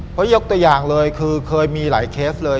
เพราะยกตัวอย่างเลยคือเคยมีหลายเคสเลย